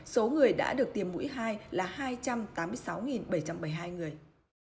số người đã được tiêm mũi hai là hai trăm tám mươi sáu bảy trăm bảy mươi hai người